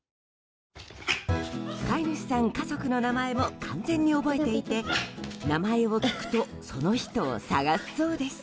飼い主さん家族の名前も完全に覚えていて名前を聞くとその人を探すそうです。